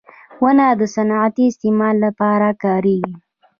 • ونه د صنعتي استعمال لپاره کارېږي.